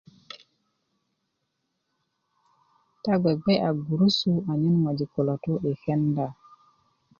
ta gbegbe'ya gurusu anyen ŋojik kulo tu yi kenda